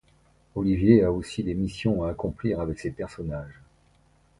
Olivier a aussi des missions à accomplir avec ces personnages.